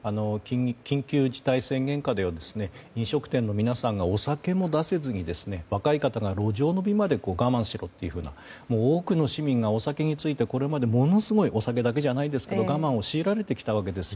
緊急事態宣言下では飲食店の皆さんがお酒も出せずに若い方が路上飲みまで我慢しろというような多くの市民がお酒についてこれまでものすごいお酒だけじゃないですけど我慢を強いられてきたわけです。